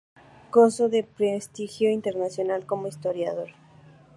Gozó de prestigio internacional como historiador.